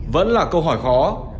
vẫn là câu hỏi khó